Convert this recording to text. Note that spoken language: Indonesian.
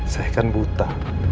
saya kan buta